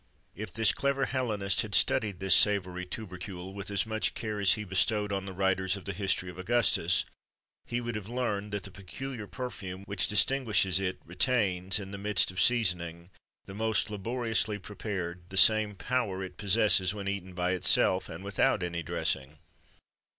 If this clever Hellenist had studied this savoury tubercle with as much care as he bestowed on the writers of the history of Augustus, he would have learned that the peculiar perfume which distinguishes it retains, in the midst of seasoning the most laboriously prepared, the same power it possesses when eaten by itself, and without any dressing.